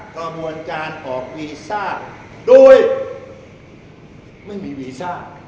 กระบวนการออกวีซ่าโดยไม่มีวีซ่า